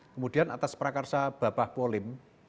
kemudian atas prakarsa bapak polim